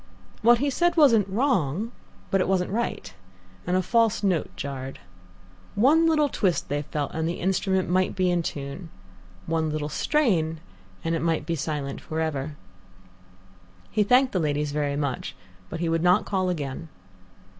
What he said wasn't wrong, but it wasn't right, and a false note jarred. One little twist, they felt, and the instrument might be in tune. One little strain, and it might be silent for ever. He thanked the ladies very much, but he would not call again.